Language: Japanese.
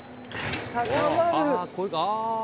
高まる。